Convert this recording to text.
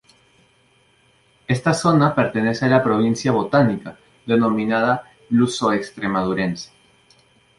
Esta zona pertenece a la provincia botánica denominada luso-extremadurense.